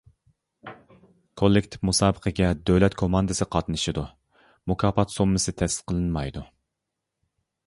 كوللېكتىپ مۇسابىقىگە دۆلەت كوماندىسى قاتنىشىدۇ، مۇكاپات سوممىسى تەسىس قىلىنمايدۇ.